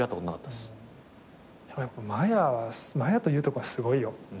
でもやっぱ麻也と佑都君はすごいよ。